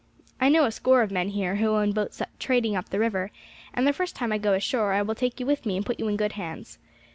"I know a score of men here who own boats trading up the river, and the first time I go ashore I will take you with me and put you in good hands.